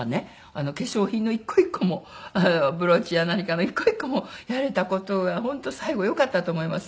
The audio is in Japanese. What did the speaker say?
化粧品の１個１個もブローチや何から１個１個もやれた事が本当最後よかったと思います。